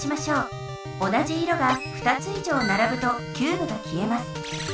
同じ色が２つ以上ならぶとキューブが消えます。